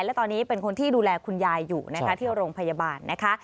และตอนนี้เป็นคนที่ดูแลคุณยายอยู่นะคะที่โรงพยาบาลนะคะ